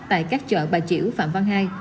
tại các chợ bà chỉu phạm văn hai